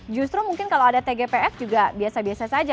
justru mungkin kalau ada tgpf juga biasa biasa saja